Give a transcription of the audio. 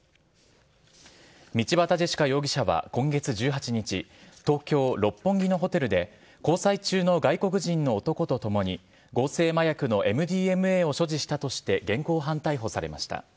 道端ジェシカ容疑者は今月１８日、東京・六本木のホテルで交際中の外国人の男と共に、合成麻薬のＭＤＭＡを所持したとして現行犯逮捕されました。